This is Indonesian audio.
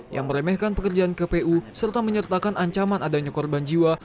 yang meremehkan pekerjaan kpu serta menyertakan ancaman adanya korban jiwa